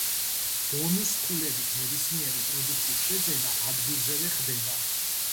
ბონუს ქულებით ნებისმიერი პროდუქტის შეძენა ადგილზევე ხდება.